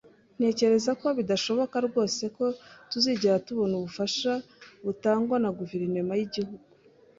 Ntekereza ko bidashoboka rwose ko tuzigera tubona ubufasha butangwa na guverinoma y'igihugu